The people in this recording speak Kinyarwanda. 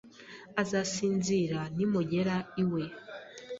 Azasinzira nimugera iwe